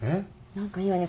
何かいいわね